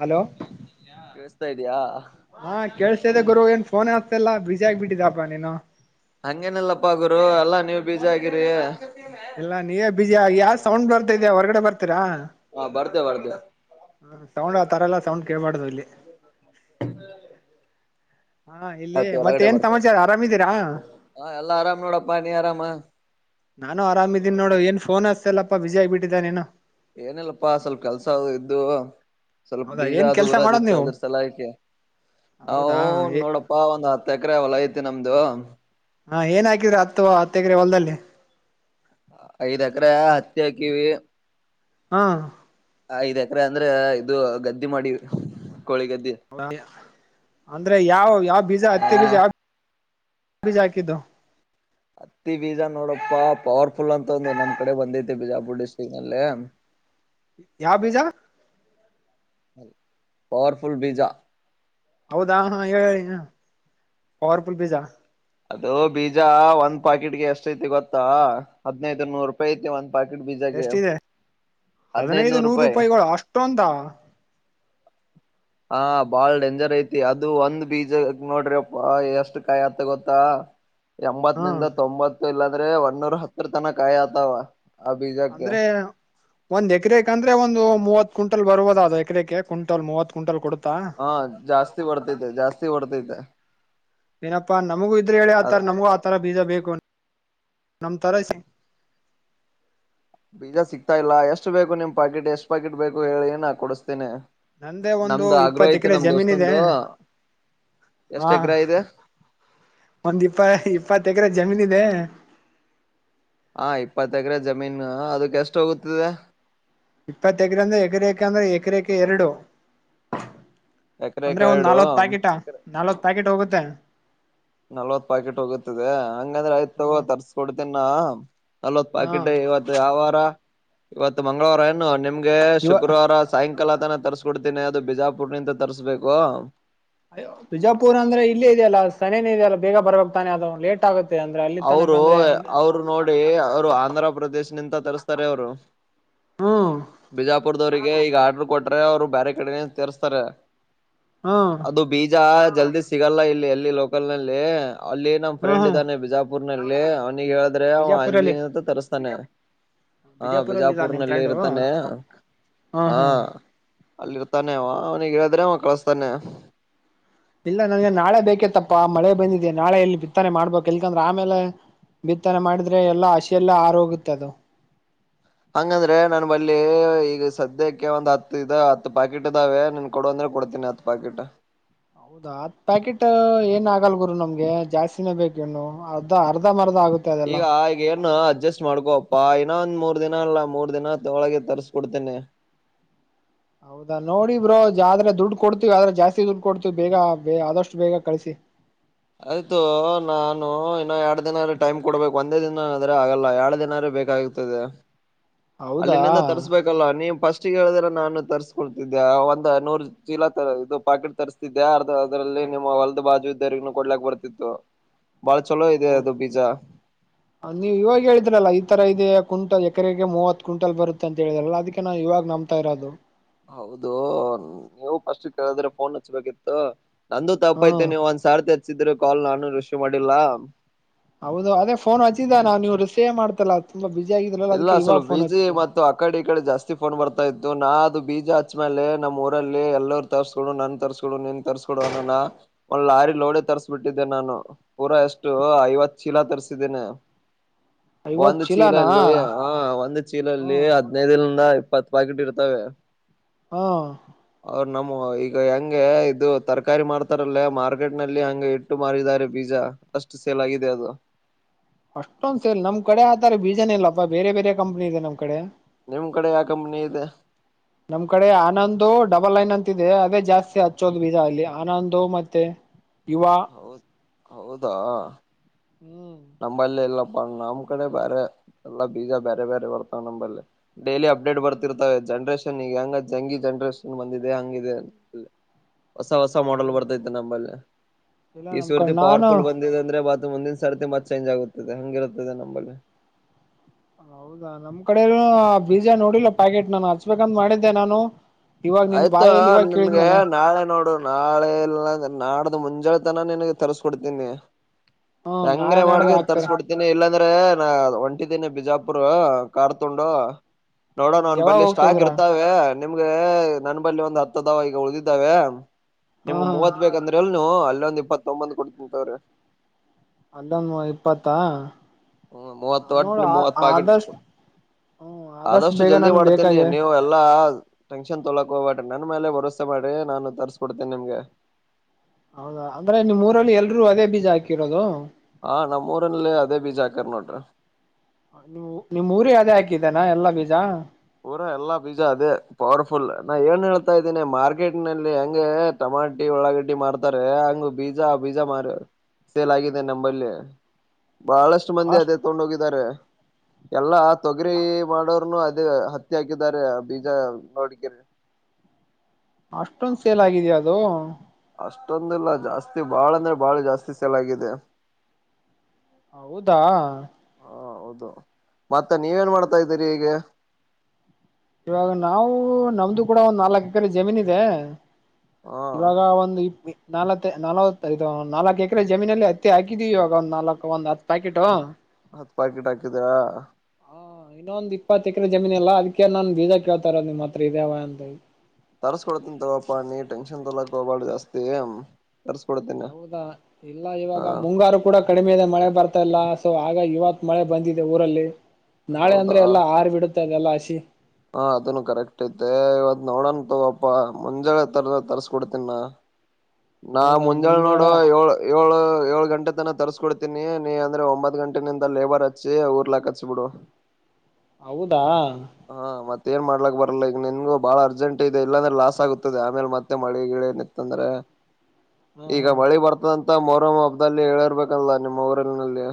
Hello. ಕೇಳಸ್ತಾ ಇದಿಯಾ. ಹಾ ಕೇಸಿದೆ ಗುರು ಏನ್ ಫೋನ್ ಆಗ್ತಲ್ಲ ಬಿಸಿ ಆಗ್ಬ ಬಿಟ್ಟಿದಪ್ಪ ನೀನು. [unintelligible] ಹಂಗೇನಲ್ಲಪ್ಪ ಗುರು ಎಲ್ಲಾ ನೀವ್ ಬೀಜಿ ಆಗಿರಿ. [unintelligible] ಇಲ್ಲ ನೀವೇ ಬ ಬಿಜಿಯಗ ಯಾವ್ ಸೌಂಡ್ ಬರ್ತಾ ಇದ್ಯಾ ಹೊರಗಡೆ ಬರ್ತೀರಾ. ಹಾ ಬರ್ತ ಬರ್ದ. ಹ ಸೌಂಡ್ ಆ ತರ ಎಲ್ಲ ಸೌಂಡ್ ಕೇಳಬಾರ್ದು ಇಲ್ಲಿ [unintelligible] ಹ್ಮ [inaudible] ಹಾ ಇಲ್ಲಿ ಮತ್ತೇಏನ್ ಬರ್ತೇವೆ ಸಮಾಚಾರ ಆರಾಮಿದೀರಾ. ಹ ಎಲ್ಲಾ ಆರಾಮ್ ನೋಡಪ್ಪಾ ನೀ ಆರಾಮ ನಾನು ಆರಾಮ್ದೀನಿ ನೋಡು ಏನ್ ಫೋನ್ ಅಸ್ತಲ್ಲಪ್ಪಾ [unintelligible] ಆಗ್ಬಿಟ್ಟಿಯನೇನು. ಏನಲ್ಲಪ್ಪಾ ಸ್ವಲ್ಪ ಕೆಲ್ಸ ಇದ್ದು. ಸ್ವಲ್ಪ ಹೌದಾ ಬೀಜ ಏನ್ ಅದು ಕೆಲ್ಸ ಮಾಡೋದ್ ಊರದಿತ್ತು ನೀವು ಅದ್ರ ಸಲ ವಾಗಿ ನಾವು ಹೌದಾ ನೋಡಪ್ಪ. ಅಪ್ಪಾ ಒಂದ್ ಹತ್ತು ಎಕರೆ ಹೊಲ ಐತಿ ನಮ್ದು. ಹಾ ಏನ್ ಹಾಕಿದ್ರ ಹತ್ತುವಾ ಹತ್ತೆಗ್ರ ಹೊಲ್ದಲ್ಲಿ. ಐದ್ ಅಕ್ರ ಹತ್ತಿ ಹಾಕಿವವಿ. ಹಾ. ಐದ್ ಎಕರೆ ಅಂದ್ರೆ ಇದು ಗದ್ದಿ ಮಾಡಿವ ಕೋಳಿ ಗದ್ದೆ. ಅಂದ್ರೆ ಯಾವ ಯಾವ ಬೀಜ ಹಾ ಹತ್ತಿ ಬೀಜ ಯಾವ ಬೀಜ ಹಾಕಿದ್ದು. [unintelligible] ಹತ್ತಿ ಬೀಜ ನೋಡಪ್ಪಾ ಪವರ್ಫುಲ್ ಅಂತ ಒಂದು ನಮ್ ಕಡೆ ಬಂದೈತಿ ಬಿಜಾಪುರ್ ಡಿಸ್ಟ್ರಿಕ್ ನಲ್ಲಿ. ಯಾವ ಬೀಜಾ. ಪರ್ಫುಲ್ ಬೀಜಾ. [unintelligible] ಹೌದಾ ಹೇಳಿ ಪವರ್ಫುಲ್ ಪಜಾ. [unintelligible] ಅದು ಬೀಜ ಒಂದ್ ಪಾಕೆಟ್ಗೆ ಎಷ್ಟ ಐತಿ ಗೊತ್ತಾ ಹದ್ನೈದು ನೂರು ರೂಪಾಯಿ ಐತಿ ಒಂದ. ಎಷ್ಟಿದೆ ಹದ್ನೈದ ಹದಿನೈದು ನೂರು ರೂಪಾಯಿ ರೂಪಾಯಿಗಳು ಅಷ್ಟೊ ಅಂತ. [unintelligible] ಹ ಬಾಳ್ ಡೇಂಜರ್ ಐತಿ ಅದು ಒಂದ್ ಬೀಜಗ್ ನೋಡ್ರಿ ಅಪ್ಪ ಎಷ್ಟ್ ಕಾಯಿ ಆತ ಗೊತ್ತಾ. [unintelligible] [inaudible] ಎಂಬತ್ ನಿಂದ ತೊಂಬತ್ತು ಇಲ್ಲಾಂದ್ರೆ ಒನ್ನೂರ ಹತ್ರರ ತನ ಕಾಯಿ ಆತಾವ. ಆ ಬೀಜಕ್ಕೆ ಅಂದ್ರೆ. [unintelligible] ಒಂದ್ ಎಕರೆೆ ಅಂದ್ರೆ ಒಂದು ಮೂವತ್ ಕುಂಟಲ್ ಬರವುದ ಅದು ಎಕರೆಕೆ ಕ ಕುಂಟಲ್ ಮೂವತ್ ಕುಂಟಲ್ ಕೊಡುತ್ತಾ. [unintelligible] ಹಾ ಜಾಸ್ತಿ ಬರ್ತೈತೆ ಜಾಸ್ತಿ ಬರ್ತೈತೆ. ಏನಪ್ಪಾ ನಮಗೂ ಇದ್ರೆ ಹೇಳಿ ಅದ ಆತರ ನಮಗೂ ಆತರ ಬೀಜ ಬೇಕು ನಮ್ ತರ. [unintelligible] ಬೀಜ ಸಿಗ್ತಾ ಇಲ್ಲ ಎಷ್ಟು ಬೇಕು ನಿಮ್ ಪಾಕಿಟ್ ಎಷ್ಟು ಪಾಕಿಟ್ ಬೇಕು ಹೇಳಿ ನ ಕೊಡುಸ್ತೀನಿ. ನಂದೇ ಒಂದು ನಮ್ದ ಆಗ್ರೂ ಇಪ್ಪತ್ ಐತಿ ಎಕರೆ ನಮ್ ಜಮೀನ್ ಇದೆ ದೋಸ್ತಂದು ಎಷ್ಟ ಎಕ್ರ ಇದೆ. ನಮ್ದ್ ಇಪ್ಪ ಇಪ್ಪತ್ ಎಕ್ರೆ ಜಮೀನಿದೆ. ಹ ಇಪ್ಪತ್ ಎಕ್ರೆ ಜಮೀನು ಅದುಕ್ ಎಷ್ಟ್ ಹೋಗುತ್ತದೆ. ಇಪ್ಪತ್ ಎಕ್ರೆ ಅಂದ್ರೆ ಎಕರೆಕೆ ಅಂದ್ರೆ ಎಕರೆೇಕ ಎರಡು. ಎಕರೆಕ್ ಅಂದ್ರೆ ಒಂದ್ ಎರಡು ನಾಲ್ವತ್ ಪ್ಯಾಕಿಟಾ ಎಕರೆ ನಾಲ್ವತ್ ಪ್ಯಾಕಿಟ್ ಹೋಗುತ್ತೆ. ನಲ್ವತ್ ಪಾಕಿಟ್ ಹೋಗುತ್ತದೆ ಹಂಗಂದ್ರಯ್ತ್ ಹ್ಮ ತಗೋ ತರ್ಸ್ಕೊಡ್ತೀನ್ ನಾ. ನಲ್ವತ್ ಹಾ ಪಾಕಿಟ ಇವತ್ ಯಾವರ ಇವತ್ ಮಂಗ್ಳುವಾರ ಏನು ನಿಮ್ಗೆ ಇವ ಶುಕ್ರವಾರ ಸಿ ಸಾಯಂಕಾಲ ತಾನೆ ತರಿಸ್ಕೊಡ್ತೀನೆ ಅದು ಬಿಜಾಪುರ್ನಿಂದ ತರುಸ್ಬೇಕು. ಬಿಜಾಪುರ್ ಅಂದ್ರೆ ಇಲ್ಲೇ ಇದೆಯಲ್ಲ ಸನೇನೇ ಇದೆ ಅಲ್ಲ ಬೇಗ ಬರ್ಬೇಕ್ ತಾನೆ ಅದು ಲೇಟ್. ಟಾಗುತ್ತೆ ಅಂದ್ರೆ ಅಲ್ಲಿ ತನಕಂದ್ರೆ. ಇವ್ರ್ ನೋಡಿ ಅವ್ರು ಆಂಧ್ರ ಪ್ರ್ರದೇಶ್ ನಿಂದ ತರುಸ್ತಾರೆ ಅವ್ರು ಹ್ಮ್ ಬಿಜಾ ಪುರ್ದವ್ರ್ಗೆ ಈಗ ಆಡ್ರು ಕೊಟ್ರೆ ಅವ್ರು ಬೇರೆ ಕಡೆಲಿಂದ್ ತರುಸ್ತಾರೆ ಹ್ಮ್ ಅದು. ಬೀಜ ಜಲ್ದಿ ಸಿಗಲ್ಲ ಇಲ್ಲಿ ಎಲ್ಲು ಲೋಕಲ್ ನಲ್ಲಿ ಅಲ್ಲಿ ನಮ್ಮ್ ಹ್ಮ್ ಫ್ರೆಂಡ್ ಹ್ಮ್ ಇದ್ದಾನೆ ಬೀಜ ಪೂರ್ನಲ್ಲಿ ಅವ್ನಿಗ್ ಹೇಳಿದ್ರೆ ಅವ ಬಿಜಾಪುರಲ್ಲಿ ಅಲ್ಲಿನಿಂದ ತರುಸ್ತಾನೆ. ಹಾ ಬಿಜಾಪುರಲ್ಲಿ ಇದ ನಿಮ್ ಬಿಜಾಪುರ್ನಲ್ಲಿ ಫ್ರೆಂಡು ಇರ್ತಾನೆ ಹಾ. ಅಲ್ಲಿರ್ತಾನೆ ಅವ ಅವ್ನಿಗ್ ಹೇಳಿದ್ರೆ ಅವ ಕಳಸ್ತಾನೆ. ಇಲ್ಲ ನನ್ಗೆ ನಾಳೆ ಬೇಕಿತ್ತಪ್ಪ ಮಳೆ ಬಂದಿದೆ ನಾಳೆ ಇಲ್ ಬಿತ್ತನೆ ಮಾಡ್ಬಬೇಕ್ ಎಲ್ಕಂದ್ರೆ ಆಮೇಲೆ. ಬಿತ್ತನೆ ಮಾಡಿದ್ರೆ ಎಲ್ಲಾ ಹಶಿ ಎಲ್ಲ ಆರೋಗುತ್ತದು. ಹಂಗಂದ್ರೆ ನನ್ ಬಲ್ಲಿ ಇಗ್ ಸದ್ಯಕ್ಕೆ ಒಂದ್ ಹತ್ ಇದವ್ ಹತ್ತು ಪಾಕಿಟ್ ಇದಾವೆ ನಿನ್ ಕೊಡ ಅಂದ್ರೆ ಕೊಡ್ತೀನಿ ಅತ್. ಪಾಕಿಟ್ಟ. ಹೌದಾ. ಹತ್ ಪ್ಯಾಕಿಟು ಏನ್ ಆಗಲ್ ಗುರು ನಮ್ಗೆ ಜಾಸ್ತಿನೇ ಬೇಕಿನ್ನು ಅದ್ ಅರ್ಧಂಬಾರ್ದ ಆಗುತ್. ಈಗ ಏನು ಅಜಸ್ಟ್. ಮಾಡ್ಕೊಪ್ಪಾ ಇನ ಒಂದ್ ಮೂರ್ ದಿನ ಅಲ್ಲ ಮೂರ್ ದಿನದೊಳಗೆ ತರ್ಸ್ಕಕೊಡ್ತೇನಿ. ಹೌದಾ ನೋಡಿ ಬ್ರೋ ಆದ್ರೆ ದುಡ್ ಕೊಡ್ತೀವ್ ಆದ್ರೆ ಜಾಸ್ತಿ ದುಡ್ ಕೊಡ್ತೀವ್ ಬೇಗ ಬೆ ಆದಷ್ಟ್ ಬೇಗ ಕಳ್ಸಿ. ಆಯ್ತು ನಾನು ಇನ್ನ ಎರಡ್ ದಿನ ಟೈಮ್ ಕೊಡ್ಬೇಕು ಒಂದೇ ದಿನ ಅದ್ರೆ ಆಗಲ್ಲ ಎರಡ್ ದಿನ ರ ಬೇಕಾಗ್ ತದ. ಹೌದಾ ಅಲ್ಲಿನಿಂದ ತರ್ಸ್ಬೇಕಲ್ಲ ನೀವ್ ಪಸ್ಟಿಗೆ ಹೇಳಿದ್ರೆ ನಾನು ತರ್ಸ್ಕೊಡ್ತಿದ್ದೆ ಒಂದ ನೂರು. ಚೀಲ ತ ಇದು ಪಾಕಿಟ್ ತರುಸ್ತಿದ್ದೆ ಅರ್ದ ಅದ್ರಲ್ಲಿ ನಿಮ್ಮ ಹೊಲದ ಬಾಜು ಇದ್ದರಿಗೂನು ಕೊಡ್ಲಾಕ್ ಬರ್ತಿತ್ತು. [inaudible] ಬಾಳ್ ಚಲೋ ಇದೆ ಅದು ಬಿಜಾ. ಹ್. ನೀವ್ ಇವಾಗ್ ಹೇಳಿದ್ರಲ್ಲ ಇತರ ಇದೆೇ ಕುಂಟಲ್ ಎಕ್ರೆಗೆ ಮೂವತ್ ಕ್ವಿಂಟಲ್ ಬರುತ್ತೆ ಅಂತ್ ಹೇಳಿದ್ರಲ್ಲ ಅದಿಕ್ಕೆ ನಾವ್ ಇವಗ್ ನಮ್. ತರದು. ಹೌದು ನೀವು ಪಸ್ಟ್ ಕೇಳಿದ್ರೆ ಫೋನ್ ಹಚ್ಬೇಕಿತ್ತು. ನಂದು ತಪ್ಪೈತೆ ಹ್ಮ್ ನೀವ್ ಒಂದ್ ಸಾರ್ತಿ ಹಚ್ಚಿದ್ರಿ ಕಾಲ್ ನಾನು ರಿಸೀವ್ ಮಾಡಿಲ್ಲಾ. ಹೌದು ಅದೇ ಫೋನ್ ಹಚ್ಚಿದೆ ನಾವ್ ನೀವ್ ರಿಸೀವೆ ಮಾಡ್ತಿಲ್ಲಾ ತುಂಬಾ ಬ್ಯುಸಿ ಆಗಿದ್ರಲ್ಲ ಅದಿಕ್ಕೆ ಇವಾಗ್ ಫೋನ್ ಹಚ್ಚಿದ್ದು. ಅಕಡೆ ಇಕಡೆ ಜಾಸ್ತಿ ಫೋನ್ ಬರ್ತಾ ಇತ್ತು ನಾ ಅದು ಬೀಜ ಹಚ್ಮೇಲೆ ನಮ್ಮ್ ಊರಲ್ಲಿ ಎಲ್ಲರ್. ತರ್ಸ್ಕೊಡು ನನ್ ತರ್ಸ್ಕೊಡು ನೀನ್ ತರ್ಸ್ಕೊಡು ಅನನ ಒಂದ್ ಲಾರಿ ಲೋಡೆ ತಾರ್ಸಬಿಟ್ಟಿದೆ ನಾನು. ಪೂರ ಎಷ್ಟು ಐವತ್ ಚೀಲ ತರ್ಸಿದಿನಿ ಐವತ್ ಒಂದ್ ಚೀಲ. ಚೀಲನಾ ಹಾ ಒಂದು ಚೀಲಲ್ಲಿ ಹ್ಮ್ ಹದ್ನೈಲಿಂದ ಇಪ್ಪತ್ ಪಾಕಿಟ್ ಇರ್ತವೆ. ಹಾ. ಅವ್ರ್ ನಮವ ಈಗ ಹೆಂಗೆ ಇದು ತರ್ಕಾರಿ ಮಾಡ್ತಾರಲ್ಲೊ ಮಾರ್ಕೆಟ್ ನಲ್ಲಿ ಹಂಗೆ. ಅಷ್ಟು ಮಾರಿದ್ದರೆ ಬೀಜ ಅಷ್ಟು ಸೇಲ್ ಆಗಿದೆ ಅದು. ಅಷ್ಟೊಂದ್ ಸೇಲ್ ನಮ್ ಕಡೆ ಆತರ ಬೀಜನ ಇಲ್ಲಪ್ಪ ಬೇರೆ ಬೇರೆ ಕಂಪ್ನಿ ಇದೆ ನಮ್ ಕಡೆ. ನಿಮ್ ಕಡೆ ಯಾವ ಕಂಪ್ನಿ ಇದೆ ನಮ್ ಕಡೆ ಆನಂದು ಡಬಲ್ ಲೈನ್ ಅಂತ ಇದೆ ಅದೇ ಜಾಸ್ತಿ ಹಚ್ಚೋದು ಬೀಜ ಅಲ್ಲಿ ಆನಂದು ಮತ್ತೆ ಯುುವಾ ಹೌದ.... ಹ್ಮ್ ನಮ್ಮಲ್ಲಿ ಇಲ್ಲಪ್ಪ ನಮ್ ಕಡೆ ಬ್ಯಾರೆ ಎಲ್ಲಾ ಬೀಜ ಬ್ಯಾರೆ ಬ್ಯಾರೆ ಬರ್ತವ ನಂಬಲ್ಲಿ ಡೇಲಿ ಅಪ್ಡೇಟ್ ಬರ್ತಿರ್ತಾವ ಜನ್ರೇಷನ್ ಈಗ ಹೆಂಗ ಜಂಗಿ ಜನ್ರೇಷನ್ ಬಂದಿದೆ ಹಂಗಿದೆ [inaudible] ಹೊಸ ಹೊಸ ಮಾಡಲ್ ಹೌದು ಬರ್ತೈತ್ ನಂಬಲ್ಲಿ ಇಲ್ಲ ಈ ನಮ್ ಸರ್ತಿ ಕಡೆ ಪವರ ನಾನು ಫುಲ್ ಬಂದು ಇಲ್ಲಂದ್ರೆ ಮತ್ ಮುಂದಿನ ಸರ್ತಿ ಮತ್ ಚೇಂಜ್ ಆಗುತ್ತದೆ ಹಂಗಿರುತ್ತದೆ ನಂಬಲ್ಲಿ ಹೌದಾ ನಮ್ಮ ಕಡೆ ಬೀಜಾ ನೋಡಿಲ್ಲ ಪ್ಯಾಕೆಟ್ ನಾನು ಹಚ್ಬೇಕಂತ ಮಾಡಿದ್ದೆ ನಾನು ಇವಾಗ ನಿನ್ ಆಯ್ತಾ ಬಾಯಲ್ಲಿ ತೊ ಇವಾಗ ನಿನ್ಗ ಕೇಳಿದ್ನಲ್ಲ ನಾಳೆ ನೋಡುಣ ನಾಳೆ ಇಲ್ಲ ನಾಡ್ದ ಮುಂಜಾಳತನ ನಿನಗೆ ತರ್ಸ್ಕೊಡ್ತೀನಿ. ಹ್ಮ ಹೆಂಗರ ನಾಳೆ ಮಾಡ ನಾಡ್ದ ಗೇರ್ ಹಾಕ್ತಾರ ತರಿಸಿ ಕೊಡತೀನಿ ಒಂಟಿದ್ದಿನಿ ಇಲ್ಲಾಂದ್ರೆ ನಾ ಒಂಟಿದ್ದೀನಿ ಬಿಜಾಪುರ್ ಕಾರ್ ತಗೊಂಡು ಹ್ಮ ನೋಡೋಣ ಅವನ್ ಯಾವಾಗ ಬಲ್ಲಿ ಹೋಗ್ತಾ ಸ್ಟಾಕ್ ಇದೀರಾ ಇರ್ತಾವೆ ನಿಮ್ಗೆ ನನ್ ಬಲ್ಲಿ ಒಂದ್ ಹತ್ತ ಅದಾವ ಉಳದಿದಾವ [inaudible] ಹಾ ನಿಮ್ಗ ಮೂವತ್ ಬೇಕಂದ್ರೆ ಅಲ್ನು ಅಲ್ಲೊಂದು ಇಪ್ಪತ್ತ ತಂಬದ್ದ ಕೊಡ್ತನತೊಗೋರಿ. ಅಲ್ಲೊಂದು ಮು ಇಪ್ಪತ್ತಾ ಹ್ಮ ಮೂವತ್ತು ಒಟ್ಟ ನೋಡು ನಿ ಮೂವತ್ ಪಾಕೆಟ್ ಆದಷ್ಟು ಹ್ಮ [inaudible] ಆದಷ್ಟು ಆದಷ್ಟ ಬೇಗ ಜಲ್ದಿ ನನ್ಗ್ ಮಾಡ್ತೇನಿ ಬೇಕಾಗೆ ನೀವ ಎಲ್ಲಾ ಟೆನ್ಷನ್ ತೊಳಕ ಹೋಗಬೇಡ್ರಿ ನನ್ ಮೇಲೆ ಭರವಸೆ ಮಾಡ್ರಿ ನಾನ ತರ್ಸ್ಕೊಡ್ತೇನಿ ನಿಮ್ಗೆ. ಹೌದಾ ಅಂದ್ರೆ ನಿಮ್ ಊರಲ್ಲಿ ಎಲ್ರೂ ಅದೇ ಬೀಜ ಹಾಕಿರೋದು ಹಾ ನಮ್ಮ ಊರಲ್ಲಿ ಅದೇ ಬೀಜ ಹಾಕರ್ ನೋಡ್ರಿ. ಹು ನಿಮ್ ಊರೇ ಅದೇ ಹಾಕಿದಾನ ಎಲ್ಲಾ ಬೀಜ ಊರ ಎಲ್ಲಾ ಬೀಜ ಅದೇ ಪವರ ಫುಲ್ ನಾ ಏನ್ ಹೇಳ್ತಾ ಇದ್ದೀನಿ ಮಾರ್ಕೆಟ್ ನಲ್ಲಿ ಹೆಂಗೆ ಟೊಮ್ಯಾಟಿ ಉಳ್ಳಗಡ್ಡಿ ಮಾಡ್ತಾರೆ ಹಂಗ ಬೀಜ ಬೀಜ ಮಾರ ಸೇಲ್ ಆಗಿದೆ ನಂಬಲ್ಲಿ ಬಹಳಷ್ಟು ಮಂದಿ ಅಷ್ಟ ಅದೇ ತಗೊಂಡೋಗಿದ್ದಾರೆ ಎಲ್ಲಾ ತೊಗರಿ ಮಾಡೋರುನು ಅದೇ ಹತ್ತಿ ಹಾಕಿದ್ದಾರೆ ಬೀಜ ನೋಡಿಕರೆ ಅಷ್ಟೊಂದ್ ಸೇಲ್ ಆಗಿದ್ಯಾ ಅದು ಅಷ್ಟೊಂದ ಇಲ್ಲ ಜಾಸ್ತಿ ಬಾಳ ಅಂದ್ರೆ ಬಾಳ ಜಾಸ್ತಿ ಸೇಲ್ ಆಗಿದೆ ಹೌದಾ ಹ ಹೌದು ಮತ್ತ ನೀವೇನ್ ಮಾಡ್ತಾ ಇದ್ದೀರಿ ಈಗ ಇವಾಗ ನಾವು ನಮ್ದು ಕೂಡ ನಾಲ್ಕ ಎಕರೆ ಜಮೀನ್ ಇದೆ ಹ ಇವಾಗ ಒಂದ ಇ ನಾಲವತ್ತ ನಲವತ್ತ ಇದು ನಾಲ್ಕಕ ಎಕರೆ ಜಮೀನಲ್ಲಿ ಹತ್ತಿ ಹಾಕಿದೀವಿ ಇವಾಗ ಒಂದ್ ನಾಲ್ಕ ಒಂದು ಹತ್ ಪಾಕೆಟ್ ಪಾಕೆಟ್ ಹಾಕಿದ್ಯಾ ಹಾ ಇನ್ನೊಂದ್ ಇಪ್ಪತ್ತ ಎಕರೆ ಜಮೀನ್ ಇಲ್ಲಾ ಅದಕ ನಾನ್ ಬೀಜ ಕೇಳ್ತಾ ಇರೋದು ನಿಮ್ ಹತ್ರ ಇದೇವ ಅಂತಾ ಹೇಳಿ ತರಿಸಸ್ಕೊಡತಿನಿ ತಗೋರಪ್ಪ ನಿ ಟೆನ್ಷನ್ ತೊಲಕ ಹೋಗಬೇಡ ಜಾಸ್ತಿ ತರ್ಸ್ಕೊಡ್ತೇನೆ ಹೌದಾ ಇಲ್ಲ ಹ ಇವಾಗ ಮುಂಗಾರು ಕೂಡ ಕಡಿಮೆ ಇದೆ ಮಳೆ ಬರ್ತಾ ಇಲ್ಲ ಸೊ ಆಗಾಗಿ ಇವತ್ತು ಮಳೆ ಬಂದಿದೆ ಊರಲ್ಲಿ ನಾಳೆ ಹೌದಾ ಅಂದ್ರೆ ಎಲ್ಲ ಆರ್ ಬಿಡುತ್ತೆದೆಲ್ಲ ಹಸಿ ಹಾ ಅದನ್ನು ಕರೆಕ್ಟ ಐತೆ ಇವತ್ ನೋಡಣ ತೊ ಗಪ್ಪಾ ಮುಂಜಾಳೆ ತರದ ಅದ್ರ ತರ್ಸ್ಕೊಡ್ತೀನ ನಾ [inaudible] ನಾ ಮುಂಜಾನೆ ನೋಡು ಮುಂಜಾಳೆ ಏಳು ಯೋಳು ಏಳು ಗಂಟೆ ತನ ತರ್ಸ್ಕೊಡ್ತೀನಿ ನೀ ಅಂದ್ರೆ ಒಂಬತ್ ಗಂಟೆ ನಿಂದ ಲೇಬರ್ ಹಚ್ಚಿ ಊರ್ಲಾಕ್ ಹಚ್ಚಿಬಿಡು ಹೌದಾ ಹಾ ಮತ್ತೇ ಏನ್ ಮಾಡ್ಲಾಕ್ ಬರಲ್ಲ ಈಗ ನಿನ್ಗೂ ಬಾಳ ಅರ್ಜೆಂಟ್ ಇದೆ ಇಲ್ಲಂದ್ರೆ ಲಾಸ್ ಆಗತದೆ ಆಮೇಲೆ ಮತ್ತೆ ಮಳೆ ಗಿಳಿ ಇತಂದ್ರೆ [inaudible] ಈಗ ಹಾ ಮಳೆ ಬರ್ತದಂತ ಮೊಹರಮ್ ಹಬ್ಬದಲ್ಲಿ ಹೇಳಿರ್ಬೇಕಲ್ಲ ನಿಮ್ಮ್ ಊರಲ್ನಲ್ಲಿ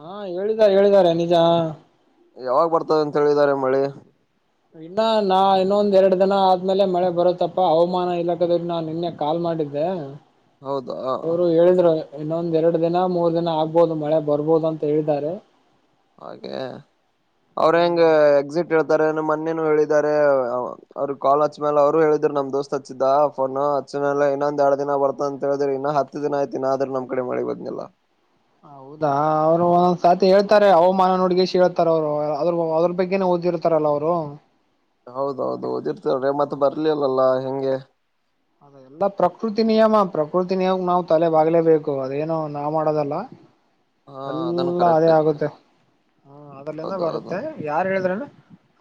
ಹಾ ಹೇಳಿದ್ದಾರೆ ಹೇಳಿದ್ದಾರೆ ನಿಜ ಯಾವಾಗ ಬರ್ತದ ಅಂತ ಹೇಳಿದ್ದಾರೆ ಮಳಿ ಇನ್ನ ನಾ ಇನ್ನೊಂದ್ ಎರಡ್ ದಿನ ಆದ್ಮೇಲೆ ಮಳೆ ಬರುತ್ತಪ್ಪಾ ಹವಾಮಾನ ಇಲಾಖೆ ನಾನ್ ನಿನ್ನೆ ಕಾಲ್ ಮಾಡಿದ್ದೆ ಹೌದಾ ಅವರು ಹೇಳಿದ್ರು ಇನ್ನೊಂದ್ ಎರಡು ದಿನ ಮೂರ್ ದಿನ ಆಗ್ಬೋದು ಮಳೆ ಬರ್ಬೋದು ಅಂತ ಹೇಳಿದ್ದಾರೆ ಹಾಗೆ ಅವ್ರ ಹೆಂಗ ಎಕ್ಸಿಟ್ ಹೇಳ್ತಾರೆ ಅ ಮೊನ್ನೇನು ಹೇಳಿದಿದ್ದಾರೆ ಅವ್ರ [unintelligible] ಮೇಲೆ ಅವರು ಹೇಳಿದ್ ನಮ್ ದೋಸ್ತ್ ಹಚ್ಚಿದ್ದ ಫೋನ್ ಅಚ್ ಮೇಲೆ ಇನ್ನೊಂದ ಎರಡು ದಿನ ಬರ್ತ ಅಂತ ಹೇಳಿದ್ರಿ ಇನ್ನ ಹತ್ ಹತ್ತು ದಿನ ಆಯ್ತು ಆದ್ರ ನಮ್ ಕಡೆ ಮಳಿ ಬಂದಿಲ್ಲ ಹೌದಾ ಅವ್ರು ಒಂದೊಂದ್ಸತಿ ಹೇಳ್ತಾರೆ ಹವಾಮಾನ ನುಡ್ಗ ಹೇಳ್ತಾರೆ ಅವ್ರು ಅದ್ರ ಅದ್ರ ಬಗ್ಗೆನೆ ಓದಿರುತ್ತ ತರಲ್ಲ ಅವರು ಹೌದೌದು ಓದಿರ್ತವ್ರೆ ಮತ್ತೆ ಬರ್ಲಿಲ್ಲಲ್ಲಾ ಹೆಂಗೆ ಅದ ಎಲ್ಲಾ ಪ್ರಕೃತಿ ನಿಯಮ ಪ್ರಕೃತಿ ನಿಯಮ ನಾವ್ ತಲೆ ಬಾಗಲೇಬೇಕು ಅದೇನ ನಾವ್ ಮಾಡೋದಲ್ಲ ಹಾ ಅದನ್ನು ಎಲ್ಲಾ ಕರೆಕ್ಟ್ ಅದೇ ಐತೆ ಆಗುತ್ತೆ ಹ ಅದರಲ್ಲಿಂದ ಹೌದೌದು ಬರುತ್ತೆ ಯಾರು ಹೇಳಿದ್ರನ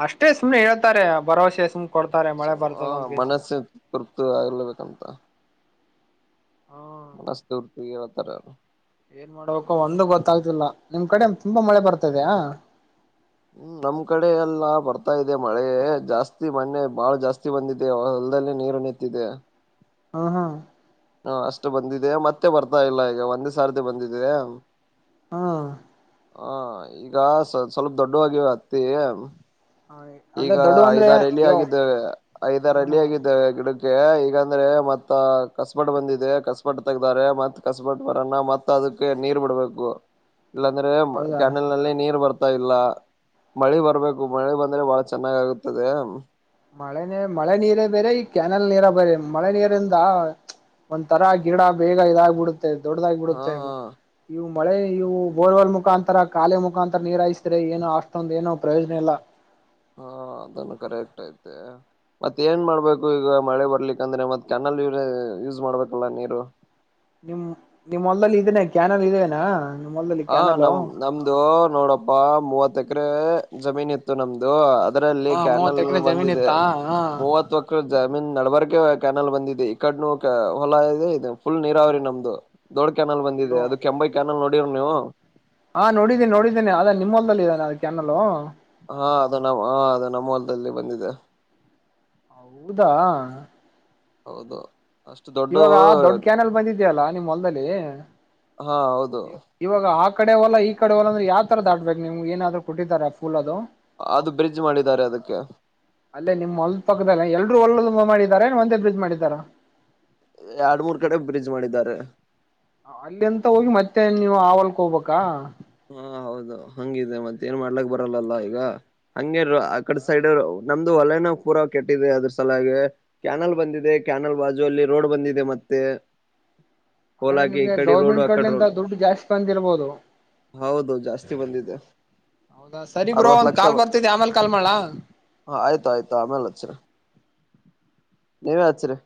ಅಷ್ಟೇ ಸುಮ್ನೆ ಹೇಳ್ತಾರೆ ಭರವಸೆ ಸುಮ್ ಕೊಡ್ತಾರೆ ಮಳೆ ಬರ್ತದ ಅಂತ ಹೇಳಿ [unintelligible] ಆಗಲೇಬೇಕಂತ ಹಾ ಮಸ್ತ [unintelligible] ಏನ್ ಮಾಡಬೇಕ ಒಂದು ಗೊತ್ತಾಯ್ತಿಲ್ಲ ನಿಮ್ ಕಡೆ ತುಂಬಾ ಮಳೆ ಬರ್ತದೆಯಾ ನಮ್ ಕಡೆ ಎಲ್ಲಾ ಬರ್ತಾ ಇದೆ ಮಳೆ ಜಾಸ್ತಿ ಮನ್ನೆ ಬಾಳ ಜಾಸ್ತಿ ಬಂದಿದೆ ಹೊಲದಲ್ಲಿ ನೀರು ನಿಂತಿದೆ ಹಾ ಹಾ ಹಾ ಅಷ್ಟು ಬಂದಿದೆ ಮತ್ತೆ ಬರ್ತಾ ಇಲ್ಲ ಈಗ ಒಂದೇ [unintelligible] ಬಂದಿದೆ ಹಾ ಹ ಈಗ ಸ್ವಲ್ಪ ಸ್ವಲ್ಪ ದೊಡ್ಡವುಆಗ್ಯಾವ ಅತ್ತಿ [unintelligible] ಈಗ ಅಂದ್ರೆ ಐದಾರ [unintelligible] ಇವ ಆಗಿದ್ದೇವೆ ಹ ಐದಾರ ಹಳ್ಳಿ ಹಾ ಆಗಿದ್ದೇವೆ ಗಿಡ ಈಗಂದ್ರೆ ಮತ್ ಕಸ್ಬಟ್ ಬಂದಿದೆ ಕಸ್ಬಟ್ ತಗ್ದಾರೆ ಮತ್ ಕಸ್ಬಟ್ ಬರಲ್ಲ ಮತ್ ಅದಕ್ಕೆ ನೀರ್ ಬಿಡ್ಬೇಕು ಇಲ್ಲಾಂದ್ರೆ ಹೌದಾ ಕೆನೆಲ್ ನಲ್ಲಿ ನೀರ್ ಬರ್ತಾ ಇಲ್ಲ ಮಳೆ ಬರ್ಬೇಕು ಮಳೆ ಬಂದ್ರೆ ಚೆನ್ನಾಗಿ ಆಗುತ್ತದೆ ಮಳೆನೆ ಮಳೆ ನೀರೇ ಬೇರೆ ಈ ಕ್ಯಾನೆಲ್ ನೀರೇ ಬೇರೆ ಮಳೆ ಹಾ ನೀರಿಂದ ಒಂದ್ ತರಾ ಗಿಡ ಬೇಗ ಇದಾಗಬಿಡುತ್ತೆ ಹಾ ದೊಡ್ಡದಾಗಬಿಡುತ್ತೆ ಇವು ಮಳೆ ಇವು ಬೋರ್ವಾಲ್ ಮುಖಾಂತರ ಕಾಲೆ ಮುಖಾಂತರ ನೀರ ಹಾಯಿಸಿದ್ರೆ ಏನೋ ಅಷ್ಟೊಂದ ಏನೋ ಪ್ರಯೋಜನ ಇಲ್ಲ ಹಾ ಅದನ್ನು ಕರೆಕ್ಟ್ ಐತೆ ಮತ್ ಏನ್ ಮಾಡ್ಬೇಕು ಈಗ ಮಳೆ ಬರ್ಲಿಕ್ಕಂದ್ರೆ ಮತ್ ಕ್ಯಾನೆಲ್ ನೀರೇ ಯೂಸ್ ಮಾಡ್ಬೇಕಲ್ಲ ನೀರು ನಿಮ್ ನಿಮ್ ಹೊಲದಲ್ಲಿ ಇದನ್ನೇ ಕ್ಯಾನಲ್ ಇದೇನಾ ನಿಮ್ ಹೊಲ್ದಲ್ಲಿ ಹ ಕ್ಯಾನಲ್ ನಮ ನಮ್ದು ನೋಡಪ್ಪಾ ಮೂವತ್ ಎಕರೆ ಜಮೀನ್ ಇತ್ತು ನಮ್ದು ಅದರಲ್ಲಿ ಹಾ ಮೂವತ್ ಕ್ಯಾನಲ್ ಎಕರೆ ಜಮೀನ್ ಬಂದಿದೆ ಇತ್ತಾ ಹ ಮೂವತ್ತು ಜಮೀನ್ ನಡಬರಿಕೆ ಕ್ಯಾನೆಲ್ ಬಂದಿದೆ ಈ ಕಡ್ ಹೊಲ ಇದೆ ಇದು ಫುಲ್ ನೀರಾವರಿ ನಮ್ದು ದೊಡ್ ಕ್ಯಾನಲ್ ಬಂದಿದೆ ಅಯ್ಯೋ ಅದು ಕೆಂಬೈ ಕ್ಯಾನೆಲ್ ನೋಡಿರಲ್ಲ ನೀವು ಹಾ ನೋಡಿದ್ದೀನಿ ನೋಡಿದ್ದೀನಿ ಅದ ನಿಮ್ಮ ಹೊಲದಲ್ಲಿ ಇದೆನ ಅ ಕ್ಯಾನಲ್ ಹಾ ಅದು ನಮ್ಮ ಹ ಅದು ನಮ್ಮ ಹೊಲದಲ್ಲಿ ಬಂದಿದೆ ಹೌದಾ ಹೌದು ಅಷ್ಟು ದೊಡ್ಡ ಇವಾಗ ದೊಡ್ಡ ಕ್ಯಾನೆಲ್ ಬಂದಿದ್ಯಲ್ಲಾ ನಿಮ್ ಹೊಲದಲ್ಲಿ ಹಾ ಹೌದು ಇವಾಗ ಆ ಕಡೆ ಹೊಲ ಈ ಕಡೆ ಹೊಲ ಅಂದ್ರೆ ಯಾವ ತರದಾಡ್ಬೇಕು ನಿಮ್ಗೆ ಏನಾದ್ರು ಕೊಟ್ಟಿದರ ಫೂಲ್ ಅದು ಅದು ಬ್ರಿಡ್ಜ್ ಮಾಡಿದ್ದಾರೆ ಅದಕ್ಕೆ ಅಲ್ಲೇ ನಿಮ್ಮ್ ಹೋಲ್ದ ಪಕ್ಕದದಲ್ಲಿಲ್ಲ ಎಲ್ರರು ಹೊಲದ ಮಾಡಿದಾರಾ ಏನ್ ಒಂದೇ ಬ್ರಿಜ್ ಮಾಡಿದಾರಾ ಎರಡ್ ಮೂರ್ ಕಡೆ ಬ್ರಿಡ್ಜ್ ಮಾಡಿದ್ದಾರೆ ಅಲ್ಲಿಂತ ಹೋಗಿ ಮತ್ತೆ ನೀವು ಹೊಲಕ್ಕೆ ಹೋಗ್ಬೇಕಾ ಹಾ ಹೌದು ಹಂಗಿದೆ ಮತ್ತೆ ಏನ್ ಮಾಡ್ಲಕ್ ಬರಲ್ಲಲ್ಲ ಈಗ ಹಂಗೆ ಆ ಕಡೆ ಹೌದಾ ಸೈಡ್ ನಮ್ದು ಹೊಲನು ಪೂರ ಕೆಟ್ಟಿದೆ ಅದ್ರ ಸಲಾಗಿ ಕ್ಯಾನಲ್ ಬಂದಿದೆ ಕ್ಯಾನಲ್ ಬಾಜು ಅಲ್ಲಿ ರೋಡ್ ಬಂದಿದೆ ಮತ್ತೆ ಅಂದ್ರೆ ಹೋಲಾಕಿ ಈ ನಿಮ್ಗೆ ಕಡೆ ರೋಡ್ ಗೌರ್ಮೆಂಟ್ ಆ ಕಡೆ ಕಡೆಯಿಂದ ರೋಡ್ ದುಡ್ಡು ಜಾಸ್ತಿ ಬಂದಿರ್ಬೋದು ಹೌದು ಜಾಸ್ತಿ ಬಂದಿದೆ ಹೌದಾ ಸರಿ ಬ್ರೋ ಅರವತ್ ಒಂದ್ ಕಾಲ್ ಬರ್ತತಿ ಆಮೇಲೆ ಕಾಲ್ ಮಾಡ್ಲಾ ಹ ಆಯ್ತ ಆಯ್ತು ಆಮೇಲೆ ಹಚ್ಚರಿ ನೀವೆ ಹಚ್ಚರೀ